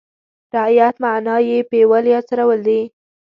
رعیت معنا یې پېول یا څرول دي.